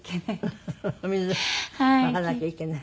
お水まかなきゃいけない？